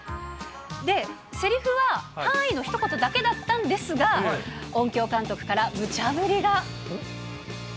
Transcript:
せりふは、はーいのひと言だけだったんですが、音響監督からむちゃぶりが。